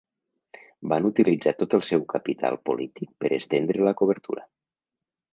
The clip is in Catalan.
Van utilitzar tot el seu capital polític per estendre la cobertura.